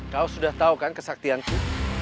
kau sudah tahu kan kesaktianku